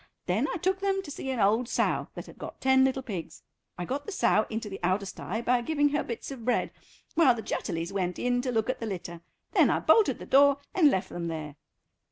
Then I took them to see an old sow that had got ten little pigs. I got the sow into the outer stye by giving her bits of bread, while the Jutterlys went in to look at the litter, then I bolted the door and left them there."